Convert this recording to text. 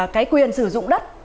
cái quyền sử dụng đất